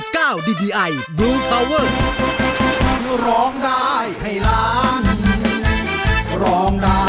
กลับมาอีกแล้วครับ